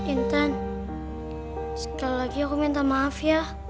intan sekali lagi aku minta maaf ya